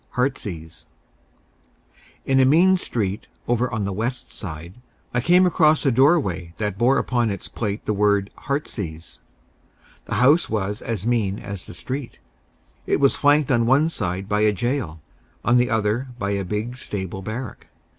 HEARTSEASE In a mean street, over on the West Side, I came across a doorway that bore upon its plate the word "Heartsease." The house was as mean as the street. It was flanked on one side by a jail, on the other by a big stable barrack.